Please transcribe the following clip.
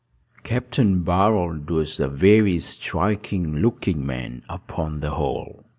Capt. Barold was a very striking looking man, upon the whole.